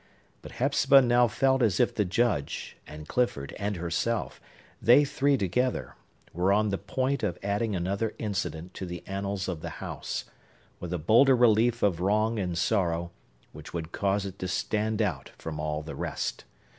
But Hepzibah now felt as if the Judge, and Clifford, and herself,—they three together,—were on the point of adding another incident to the annals of the house, with a bolder relief of wrong and sorrow, which would cause it to stand out from all the rest.